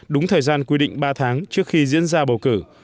đúng thời gian quy định ba tháng trước khi diễn ra bầu cử